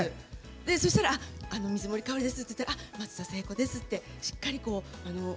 そしたら、水森かおりですって言ったら松田聖子ですって、しっかり。